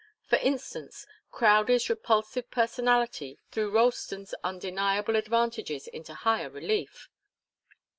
For instance, Crowdie's repulsive personality threw Ralston's undeniable advantages into higher relief.